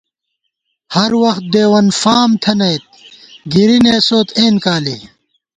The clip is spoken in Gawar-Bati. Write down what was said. ہر وخت ڈېوَن فامہ تھنَئیت گِری نېسوت اېن کالے